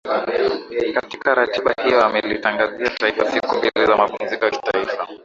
Katika ratiba hiyo amelitangazia taifa siku mbili za mapumziko ya kitaifa